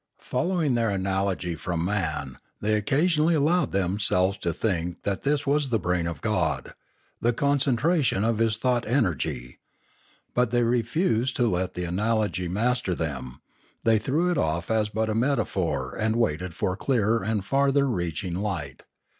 Following their analogy from man, they oc casionally allowed themselves to think that this was 688 Limanora tbe brain of God, the concentration of His thought energy. But they refused to let the analogy master them ; they threw it off as but a metaphor and waited for clearer and farther reaching light.